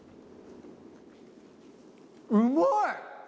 うまい！